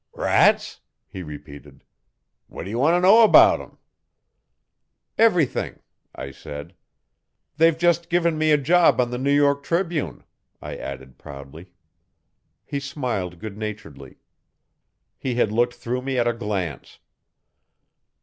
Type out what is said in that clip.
'Rats?' he repeated. 'What d' ye wan't' know about thim?' 'Everything,' I said. 'They've just given me a job on the New York Tribune,' I added proudly. He smiled good naturedly. He had looked through me at a glance.